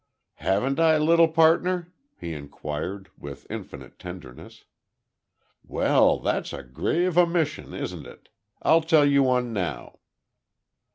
"Haven't I, little partner?" he inquired, with infinite tenderness. "Well, that's a grave omission, isn't it? I'll tell you one now."